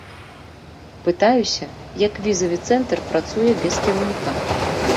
Пытаюся, як візавы цэнтр працуе без кіраўніка.